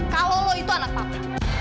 kalau lo itu anak pabrik